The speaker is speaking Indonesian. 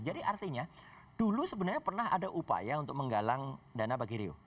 jadi artinya dulu sebenarnya pernah ada upaya untuk menggalang dana bagi rio